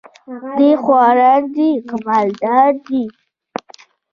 که خواران دي که مال دار دي